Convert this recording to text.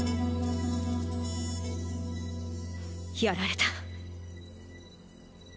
やられた。